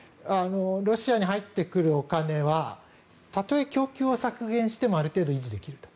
ロシアに入ってくるお金はたとえ供給を削減してもある程度、維持できると。